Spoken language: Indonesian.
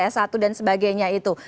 s satu dan sebagainya itu